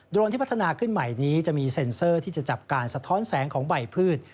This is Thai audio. รนที่พัฒนาขึ้นใหม่นี้จะมีเซ็นเซอร์ที่จะจับการสะท้อนแสงของใบพืช